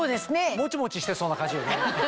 モチモチしてそうな感じよね。